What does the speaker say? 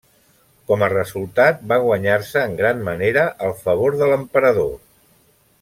Com a resultat, va guanyar-se en gran manera el favor de l'emperador.